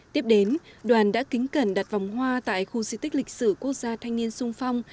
tiếp đến đoàn đã kính cẩn đặt vòng hoa tại khu di tích lịch sử quốc gia thanh niên sung phong